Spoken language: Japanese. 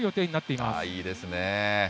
いいですね。